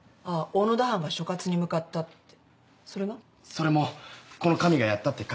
それもこの神がやったって書き込みが。